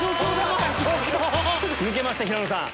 抜けました平野さん。